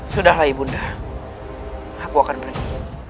sudah lah ibunda aku akan pergi